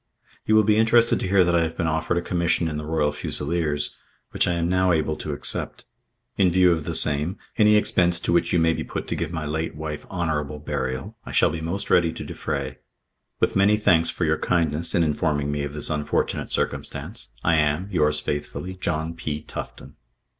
You will be interested to hear that I have been offered a commission in the Royal Fusiliers, which I am now able to accept. In view of the same, any expense to which you may be put to give my late wife honourable burial, I shall be most ready to defray. "With many thanks for your kindness in informing me of this unfortunate circumstance, "I am, "Yours faithfully, "JOHN P. TUFTON."